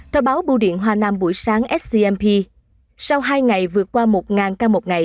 theo báo bưu điện hoa nam buổi sáng scmp sau hai ngày vượt qua một ca một ngày